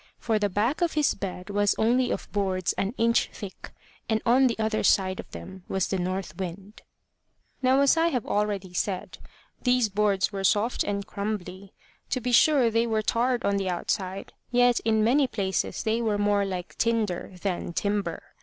For the back of his bed was only of boards an inch thick, and on the other side of them was the north wind. Now, as I have already said, these boards were soft and crumbly. To be sure, they were tarred on the outside, yet in many places they were more like tinder than timber.